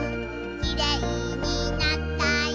「きれいになったよ